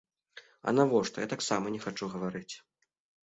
А навошта, я таксама не хачу гаварыць.